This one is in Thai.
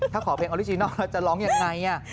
ถ้าขอเพลงออริจินัลแล้วจะร้องยังไง